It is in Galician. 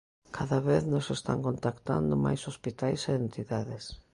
Cada vez nos están contactando máis hospitais e entidades.